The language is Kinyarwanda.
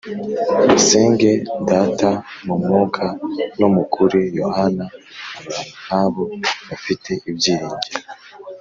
Basenge data mu mwuka no mu kuri yohana abantu nk abo bafite ibyiringiro